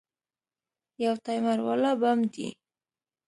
يو ټايمر والا بم دى.